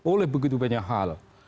oleh begitu banyak hal